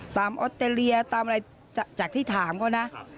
ออสเตรเลียตามอะไรจากที่ถามเขานะ